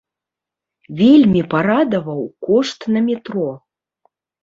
Вельмі парадаваў кошт на метро.